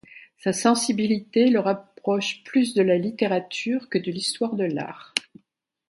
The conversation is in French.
Sa sensibilité le rapproche plus de la littérature que de l'histoire de l'art.